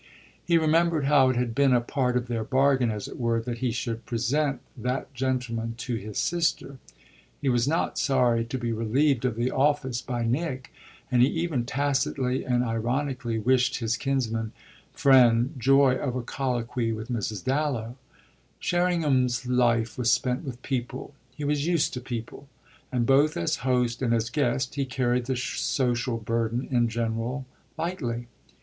He remembered how it had been a part of their bargain, as it were, that he should present that gentleman to his sister. He was not sorry to be relieved of the office by Nick, and he even tacitly and ironically wished his kinsman's friend joy of a colloquy with Mrs. Dallow. Sherringham's life was spent with people, he was used to people, and both as host and as guest he carried the social burden in general lightly.